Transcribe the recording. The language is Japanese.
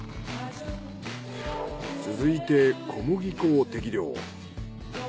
続いて小麦粉を適量。